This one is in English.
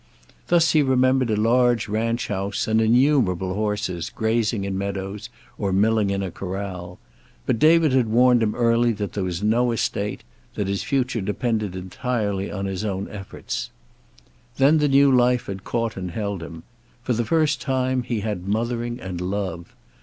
Thus he remembered a large ranch house, and innumerable horses, grazing in meadows or milling in a corral. But David had warned him early that there was no estate; that his future depended entirely on his own efforts. Then the new life had caught and held him. For the first time he had mothering and love.